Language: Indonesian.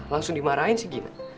langsung dimarahin si gina